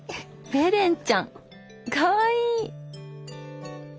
ベレンちゃんかわいい！